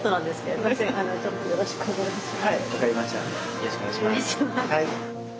よろしくお願いします。